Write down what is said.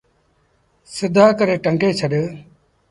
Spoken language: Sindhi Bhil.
سڌآ ڪري ٽنگي ڇڏ۔